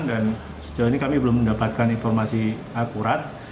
dan setelah ini kami belum mendapatkan informasi akurat